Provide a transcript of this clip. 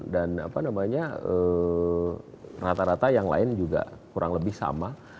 dan rata rata yang lain juga kurang lebih sama